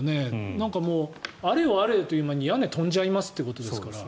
なんか、あれよあれよという間に屋根が飛んじゃいますということですから。